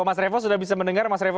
mas revo sudah bisa mendengar mas revo